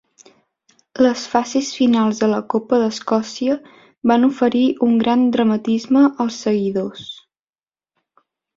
Les fases finals de la Copa d'Escòcia van oferir un gran dramatisme als seguidors.